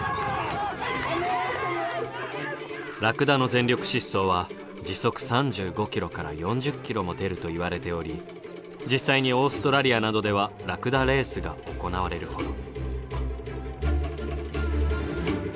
ラクダの全力疾走は時速３５ｋｍから４０ｋｍも出るといわれており実際にオーストラリアなどではラクダレースが行われるほど。